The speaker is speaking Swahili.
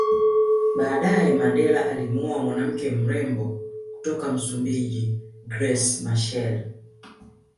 Baadaye Mandela alimuoa mwanawake mrembo kutoka Msumbiji Graca Machel